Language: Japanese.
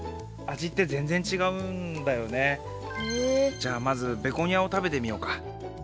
じゃあまずベゴニアを食べてみようか。